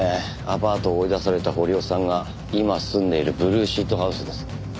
アパートを追い出された堀尾さんが今住んでいるブルーシートハウスです。